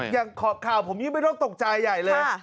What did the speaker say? ยังขอบข่าวผมยังไม่ต้องตกใจใหญ่เลย